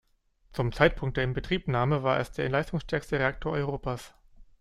Zum Zeitpunkt der Inbetriebnahme war es der leistungsstärkste Reaktor Europas.